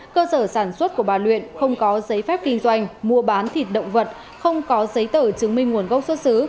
cơ sở sản xuất của bà luyện không có giấy phép kinh doanh mua bán thịt động vật không có giấy tờ chứng minh nguồn gốc xuất xứ